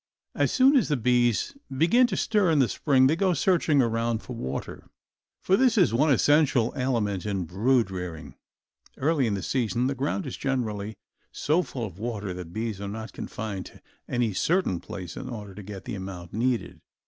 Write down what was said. As soon as the bees begin to stir in the spring they go searching around for water, for this is one essential element in brood rearing. Early in the season the ground is generally so full of water that bees are not confined to any certain place in order to get the amount needed.